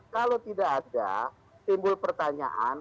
kalau tidak ada timbul pertanyaan